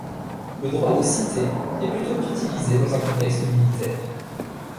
Le droit de cité est plutôt utilisé dans un contexte militaire.